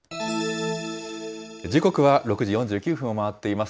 時刻は６時４９分を回っています。